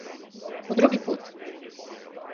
По други пут?